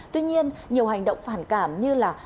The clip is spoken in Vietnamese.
tuy nhiên nhiều hành động phản cảm như là